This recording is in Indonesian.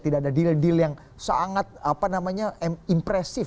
tidak ada deal deal yang sangat apa namanya impresif